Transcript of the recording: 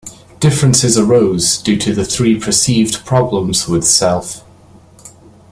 Differences arose due to three perceived problems with Self.